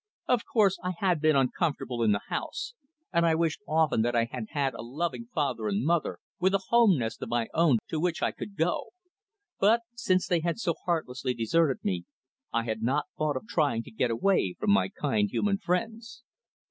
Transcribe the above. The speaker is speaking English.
Of course, I had been uncomfortable in the house, and I wished often that I had had a loving father and mother with a home nest of my own to which I could go, but, since they had so heartlessly deserted me, I had not thought of trying to get away from my kind human friends.